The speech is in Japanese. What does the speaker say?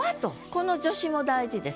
この助詞も大事です。